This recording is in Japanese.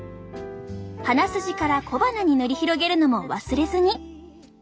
鼻筋から小鼻に塗り広げるのも忘れずに。